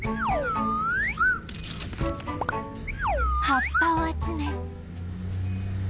葉っぱを集め